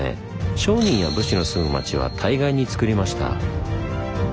商人や武士の住む町は対岸につくりました。